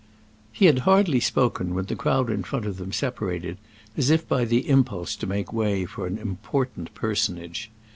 He had hardly spoken when the crowd in front of them separated, as if by the impulse to make way for an important personage.